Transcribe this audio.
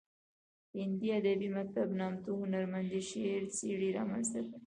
هندي ادبي مکتب نامتو هنرمندې شعري څیرې رامنځته کړې